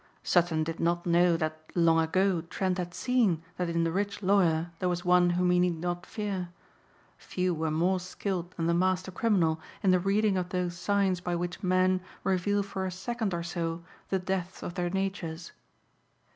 Sutton did not know that long ago Trent had seen that in the rich lawyer there was one whom he need not fear. Few were more skilled than the master criminal in the reading of those signs by which men reveal for a second or so the depths of their natures.